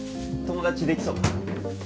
友達できそう？